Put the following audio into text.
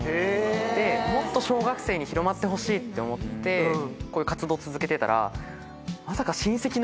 でもっと小学生に広まってほしいと思ってこういう活動続けてたらまさか親戚の子が。